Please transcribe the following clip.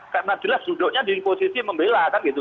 karena jelas judulnya di imposisi membela kan gitu